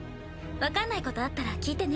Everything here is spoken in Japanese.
分かんないことあったら聞いてね。